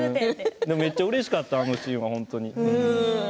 でもめっちゃうれしかったあのシーンは。